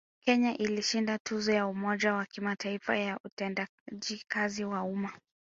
Kenya ilishinda tuzo ya Umoja wa Kimataifa ya Utendaji kazi wa Umma